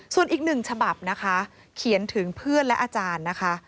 ส่วนอีกหนึ่งฉบับนะคะเขียนถึงเพื่อนและอาจารย์นะคะ